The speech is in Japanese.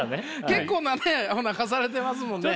結構なねおなかされてますもんね。